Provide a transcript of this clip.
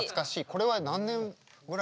これは何年ぐらい？